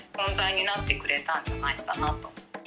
になってくれたんじゃないかなと。